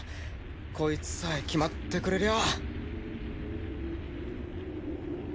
こいつさえ決まってくれりゃあ。